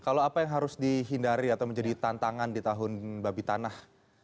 kalau apa yang harus dihindari atau menjadi tantangan di tahun babi tanah